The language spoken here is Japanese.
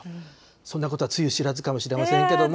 そんなことはつゆしらずかもしれませんけども。